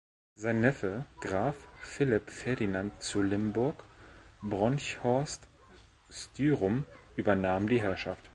Sein Neffe Graf Philipp Ferdinand zu Limburg, Bronchorst-Styrum übernahm die Herrschaft.